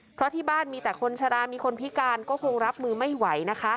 เพราะที่บ้านมีแต่คนชะลามีคนพิการก็คงรับมือไม่ไหวนะคะ